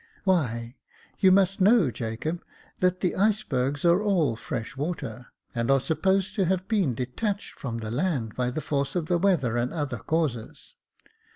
" Why, you must know, Jacob, that the icebergs are all fresh water, and are supposed to have been detached from the land by the force of the weather and other causes.